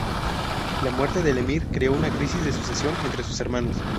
La muerte del emir creó una crisis de sucesión entre sus hermanos.